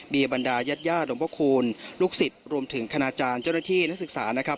เบียบรรดายาทยาลงพ่อคูณลูกศิษย์รวมถึงคณาจารย์เจ้าหน้าที่นักศึกษา